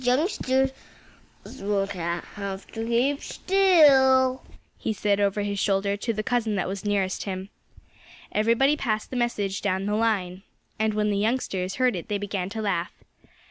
"Those youngsters will have to keep still," he said over his shoulder to the cousin that was nearest him. Everybody passed the message down the line. And when the youngsters heard it they began to laugh.